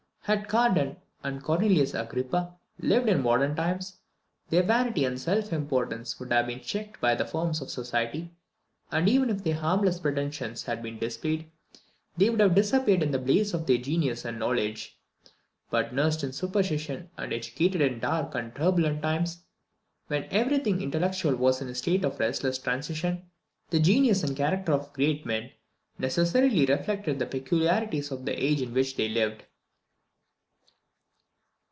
Had Cardan and Cornelius Agrippa lived in modern times, their vanity and self importance would have been checked by the forms of society, and even if their harmless pretensions had been displayed, they would have disappeared in the blaze of their genius and knowledge. But nursed in superstition, and educated in dark and turbulent times, when every thing intellectual was in a state of restless transition, the genius and character of great men necessarily reflected the peculiarities of the age in which they lived.